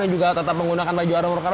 dan juga tetap menggunakan baju aromarkar